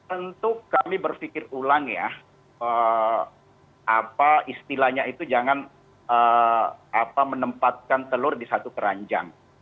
untuk kami berpikir ulang ya apa istilahnya itu jangan menempatkan telur di satu keranjang